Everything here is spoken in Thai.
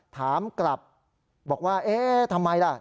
ถามกลับบอกว่าเอ๊ะทำไมล่ะ